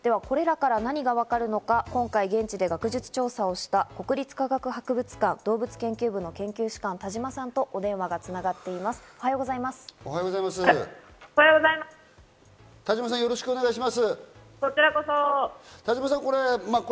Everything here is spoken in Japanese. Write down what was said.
ではこれらから何がわかるのか今回、現地で学術調査をした国立科学博物館動物研究部の研究主幹・田島さんとお電話が繋がっおはようございます。